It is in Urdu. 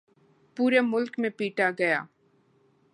پورے ملک میں پیٹا گیا۔